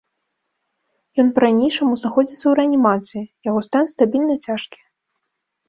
Ён па-ранейшаму знаходзіцца ў рэанімацыі, яго стан стабільна цяжкі.